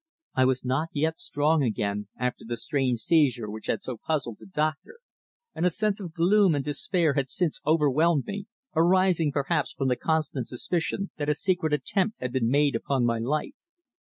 I was not yet strong again after the strange seizure which had so puzzled the doctor, and a sense of gloom and despair had since overwhelmed me, arising perhaps from the constant suspicion that a secret attempt had been made upon my life.